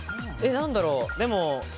何だろう？